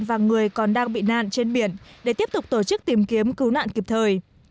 và người còn đang bị nạn trên biển để tiếp tục tổ chức tìm kiếm cứu nạn kịp thời